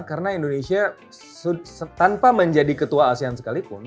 karena indonesia tanpa menjadi ketua asean sekalipun